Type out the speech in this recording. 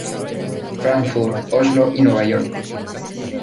Frankfurt, Oslo y Nueva York.